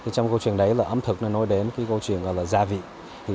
trong câu chuyện đấy ấm thực nói đến câu chuyện gọi là gia vị